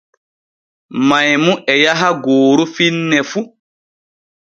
Maymu e yaha gooru finne fu.